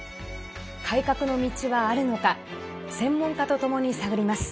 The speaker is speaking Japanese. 改革の道はあるのか専門家とともに探ります。